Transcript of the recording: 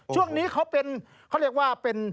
ช่วงนี้เขาเป็นเขาเรียกว่าเป็น